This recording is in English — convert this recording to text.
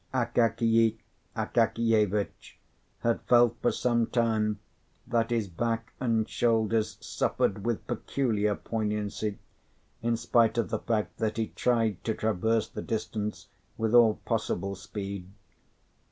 Akakiy Akakievitch had felt for some time that his back and shoulders suffered with peculiar poignancy, in spite of the fact that he tried to traverse the distance with all possible speed.